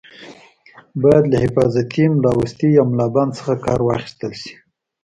باید له حفاظتي ملاوستي یا ملابند څخه کار واخیستل شي.